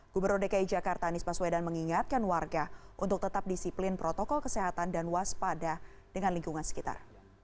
gubernur dki jakarta anies baswedan mengingatkan warga untuk tetap disiplin protokol kesehatan dan waspada dengan lingkungan sekitar